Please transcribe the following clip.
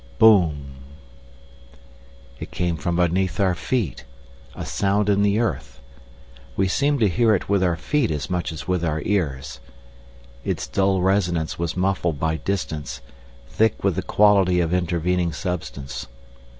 Boom. It came from beneath our feet, a sound in the earth. We seemed to hear it with our feet as much as with our ears. Its dull resonance was muffled by distance, thick with the quality of intervening substance.